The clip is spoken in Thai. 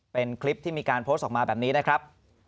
เป็นคลิปที่มีการโพสต์ออกมาแบบนี้นะครับ